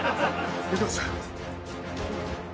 いきます。